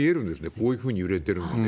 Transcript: こういうふうに揺れてるのがね。